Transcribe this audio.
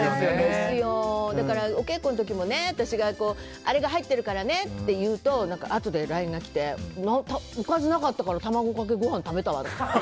だからお稽古の時もあれが入っているからねというとあとでＬＩＮＥが来ておかずなかったから卵かけご飯食べたわって。